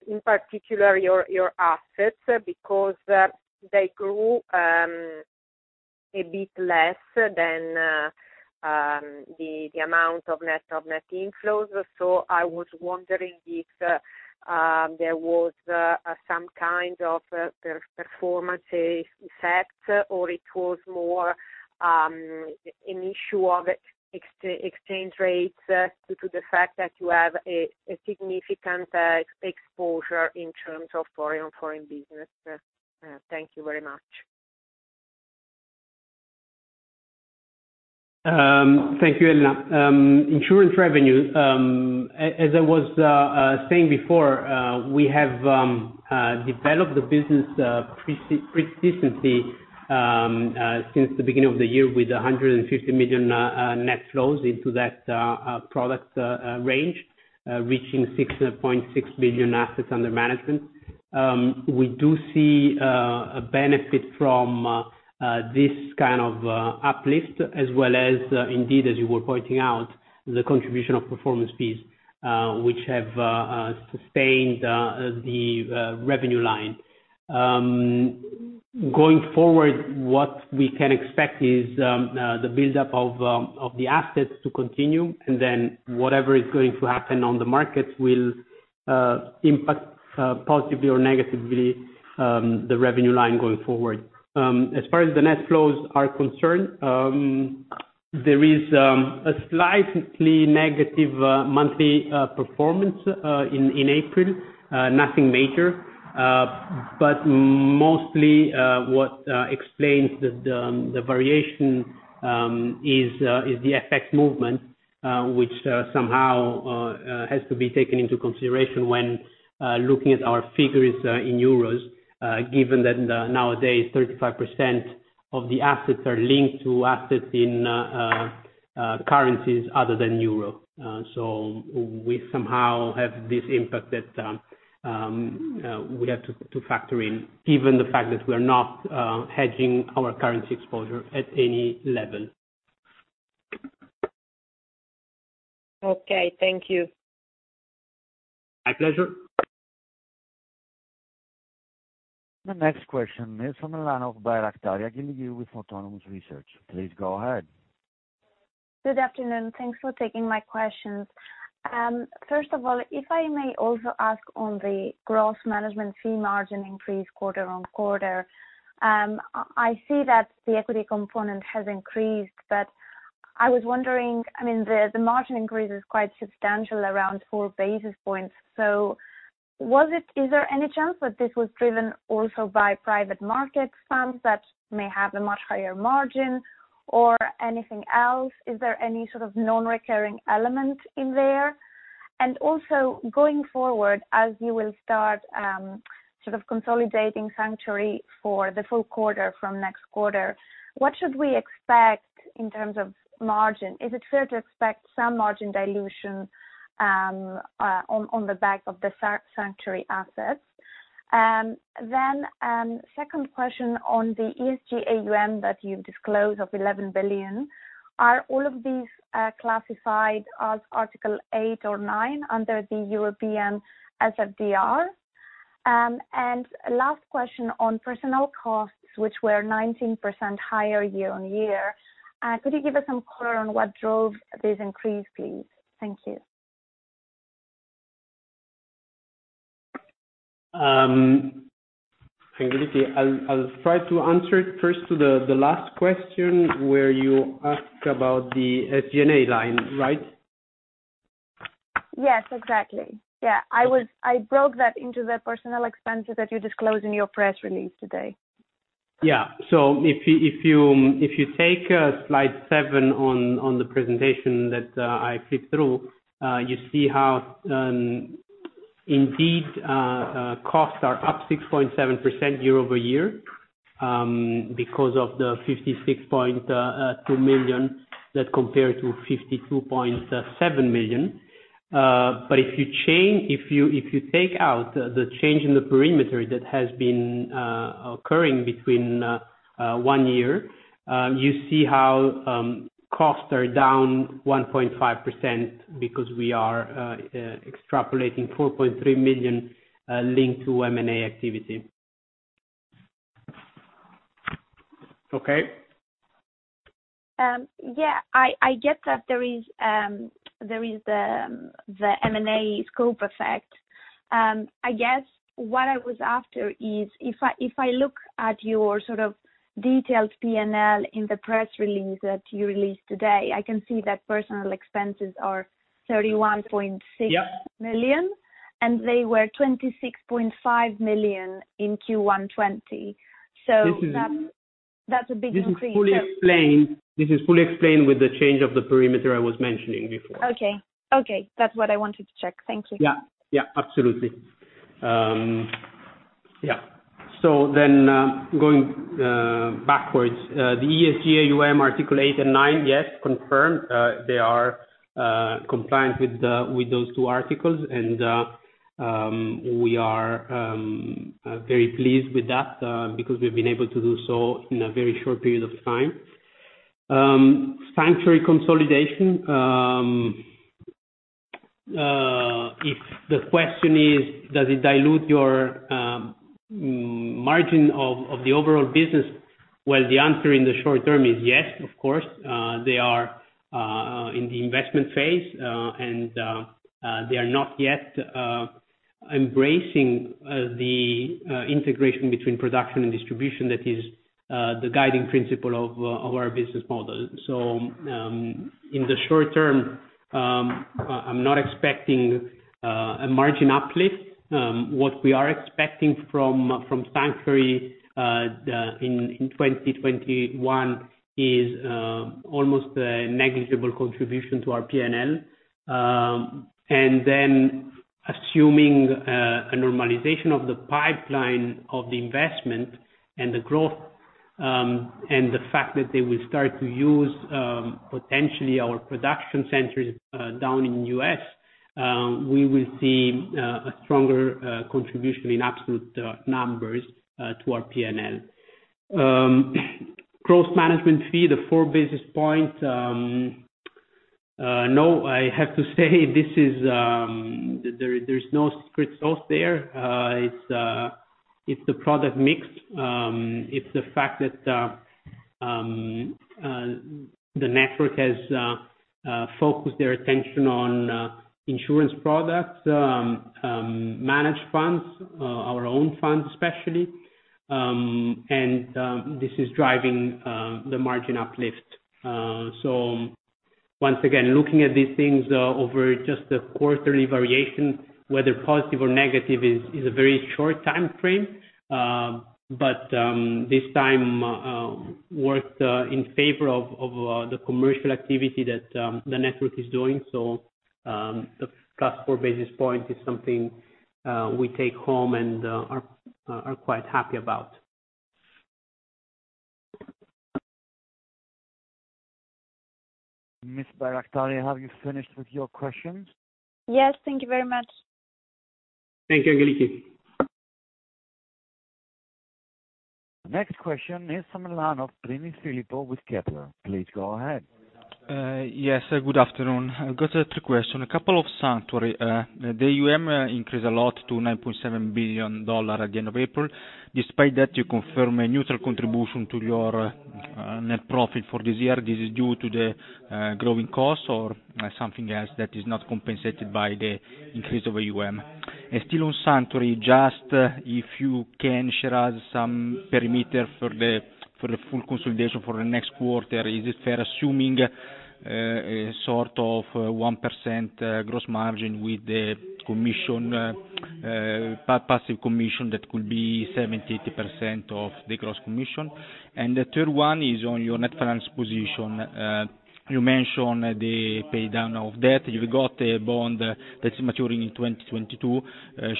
in particular, your assets, because they grew a bit less than the amount of net inflows. I was wondering if there was some kind of performance effect, or it was more an issue of exchange rates due to the fact that you have a significant exposure in terms of foreign business. Thank you very much. Thank you, Elena. Insurance revenues, as I was saying before, we have developed the business pretty decently since the beginning of the year, with 150 million net flows into that product range, reaching 6.6 billion assets under management. We do see a benefit from this kind of uplift as well as, indeed, as you were pointing out, the contribution of performance fees, which have sustained the revenue line. Going forward, what we can expect is the buildup of the assets to continue, and then whatever is going to happen on the market will impact positively or negatively the revenue line going forward. As far as the net flows are concerned, there is a slightly negative monthly performance in April, nothing major. Mostly, what explains the variation is the FX movement, which somehow has to be taken into consideration when looking at our figures in euros, given that nowadays, 35% of the assets are linked to assets in currencies other than euro. We somehow have this impact that we have to factor in, given the fact that we're not hedging our currency exposure at any level. Okay. Thank you. My pleasure. The next question is from Bairaktari, Angeliki with Autonomous Research. Please go ahead. Good afternoon. Thanks for taking my questions. First of all, if I may also ask on the gross management fee margin increase quarter on quarter. I see that the equity component has increased, I was wondering, the margin increase is quite substantial, around four basis points. Is there any chance that this was driven also by private market funds that may have a much higher margin or anything else? Is there any sort of non-recurring element in there? Going forward, as you will start sort of consolidating Sanctuary for the full quarter from next quarter, what should we expect in terms of margin? Is it fair to expect some margin dilution on the back of the Sanctuary assets? Second question on the ESG AUM that you've disclosed of 11 billion. Are all of this classified as Article 8 or 9 under the European SFDR? Last question on personnel costs, which were 19% higher year-over-year, could you give us some color on what drove this increase, please? Thank you. Angeliki, I'll try to answer first to the last question, where you ask about the SG&A line, right? Yes, exactly. Yeah. I broke that into the personnel expenses that you disclosed in your press release today. Yeah. If you take slide seven on the presentation that I flipped through, you see how indeed, costs are up 6.7% year-over-year, because of the 56.2 million that compared to 52.7 million. If you take out the change in the perimeter that has been occurring between one year, you see how costs are down 1.5% because we are extrapolating 4.3 million linked to M&A activity. Okay. Yeah. I get that there is the M&A scope effect. I guess what I was after is, if I look at your detailed P&L in the press release that you released today, I can see that personnel expenses are 31.6 million. Yep And they were 26.5 million in Q1 2020. That's a big increase. This is fully explained with the change of the perimeter I was mentioning before. Okay. That's what I wanted to check. Thank you. Yeah, absolutely. Going backwards. The ESG AUM Article 8 and 9, yes, confirmed, they are compliant with those two articles, and we are very pleased with that, because we've been able to do so in a very short period of time. Sanctuary consolidation. If the question is, does it dilute your margin of the overall business? The answer in the short term is yes, of course. They are in the investment phase, and they are not yet embracing the integration between production and distribution that is the guiding principle of our business model. In the short term, I'm not expecting a margin uplift. What we are expecting from Sanctuary in 2021 is almost a negligible contribution to our P&L. Then assuming a normalization of the pipeline of the investment, and the growth, and the fact that they will start to use, potentially, our production centers down in the U.S., we will see a stronger contribution in absolute numbers to our P&L. Gross management fee, the four basis points. I have to say there's no secret sauce there. It's the product mix. It's the fact that the network has focused their attention on insurance products, managed funds, our own funds especially. This is driving the margin uplift. Once again, looking at these things over just the quarterly variation, whether positive or negative is a very short timeframe. This time worked in favor of the commercial activity that the network is doing. The plus four basis point is something we take home and are quite happy about. Ms. Bairaktari, have you finished with your questions? Yes. Thank you very much. Thank you, Angeliki. Next question is from the line of Prini, Filippo with Kepler. Please go ahead. Yes, good afternoon. I've got three questions. A couple of Sanctuary. The AUM increased a lot to $9.7 billion at the end of April. Despite that, you confirm a neutral contribution to your net profit for this year. This is due to the growing costs or something else that is not compensated by the increase of AUM? Still on Sanctuary, just if you can share us some perimeter for the full consolidation for the next quarter. Is it fair assuming a sort of 1% gross margin with the passive commission, that could be 70%-80% of the gross commission? The third one is on your net financial position. You mentioned the pay down of debt. You've got a bond that's maturing in 2022.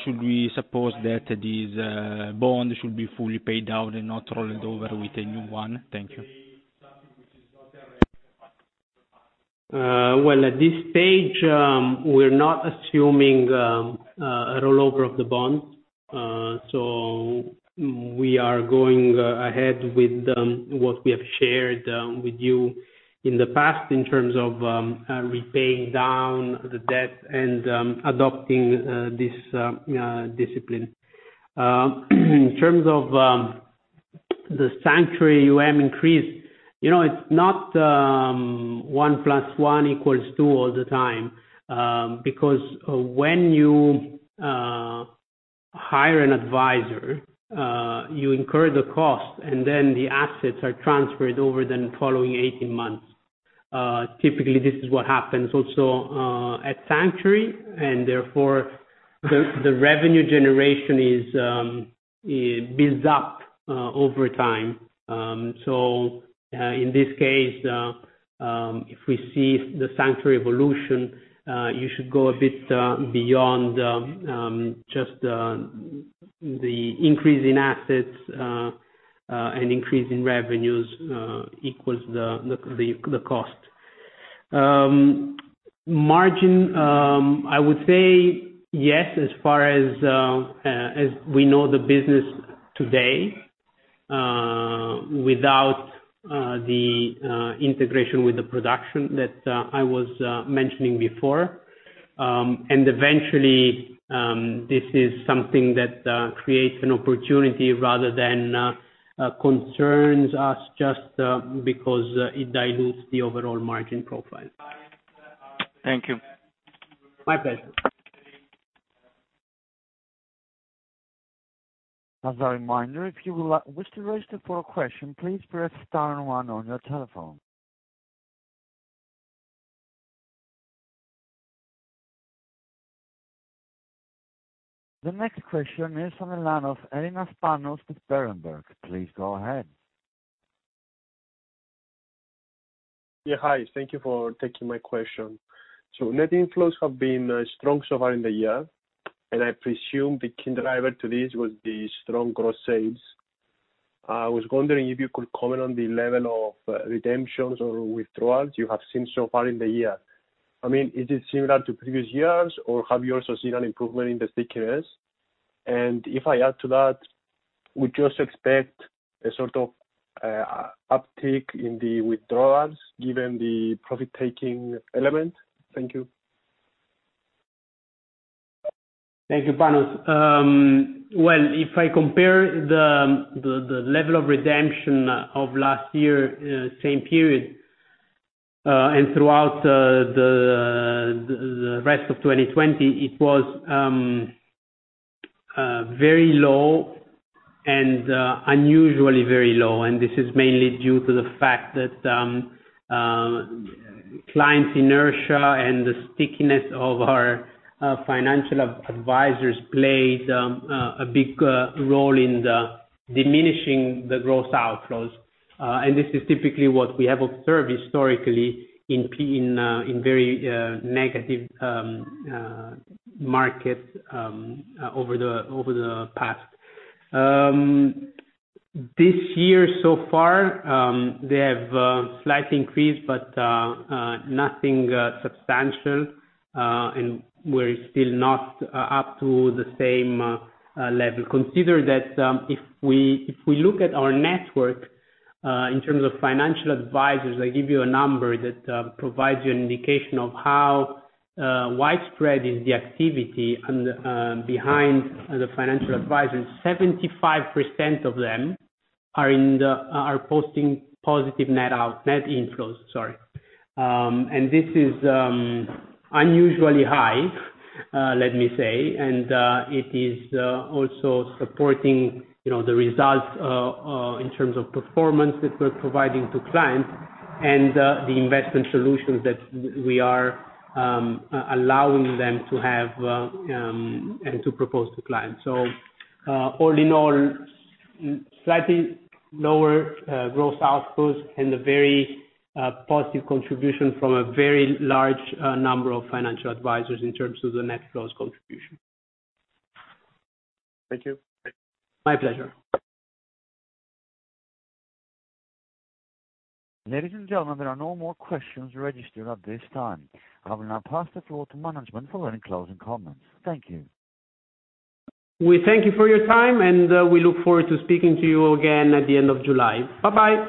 Should we suppose that this bond should be fully paid down and not rolled over with a new one? Thank you. At this stage, we're not assuming a rollover of the bond. We are going ahead with what we have shared with you in the past in terms of repaying down the debt and adopting this discipline. In terms of the Sanctuary AUM increase, it's not one plus one equals two all the time. Because when you hire an advisor, you incur the cost, and then the assets are transferred over the following 18 months. Typically, this is what happens also at Sanctuary, and therefore, the revenue generation builds up over time. In this case, if we see the Sanctuary evolution, you should go a bit beyond just the increase in assets and increase in revenues equals the cost. Margin, I would say yes, as far as we know the business today, without the integration with the production that I was mentioning before. Eventually, this is something that creates an opportunity rather than concerns us just because it dilutes the overall margin profile. Thank you. My pleasure. As a reminder, if you wish to register for a question, please press star one on your telephone. The next question is from the line of Ellinas, Panos with Berenberg. Please go ahead. Yeah, hi. Thank you for taking my question. Net inflows have been strong so far in the year, and I presume the key driver to this would be strong gross sales. I was wondering if you could comment on the level of redemptions or withdrawals you have seen so far in the year. I mean, is it similar to previous years, or have you also seen an improvement in the stickiness? If I add to that, would you also expect a sort of uptick in the withdrawals given the profit-taking element? Thank you. Thank you, Panos. Well, if I compare the level of redemption of last year, same period, throughout the rest of 2020, it was very low, and unusually very low. This is mainly due to the fact that client inertia and the stickiness of our financial advisors played a big role in diminishing the gross outflows. This is typically what we have observed historically in very negative markets over the past. This year so far, they have a slight increase, nothing substantial. We're still not up to the same level. Consider that if we look at our network in terms of financial advisors, I give you a number that provides you an indication of how widespread is the activity behind the financial advisors. 75% of them are posting positive net outflows, net inflows, sorry. This is unusually high, let me say, and it is also supporting the results in terms of performance that we're providing to clients and the investment solutions that we are allowing them to have and to propose to clients. All in all, slightly lower gross outflows and a very positive contribution from a very large number of financial advisors in terms of the net flows contribution. Thank you. My pleasure. Ladies and gentlemen, there are no more questions registered at this time. I will now pass the floor to management for any closing comments. Thank you. We thank you for your time, and we look forward to speaking to you again at the end of July. Bye-bye.